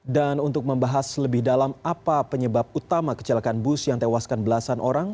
dan untuk membahas lebih dalam apa penyebab utama kecelakaan bus yang tewaskan belasan orang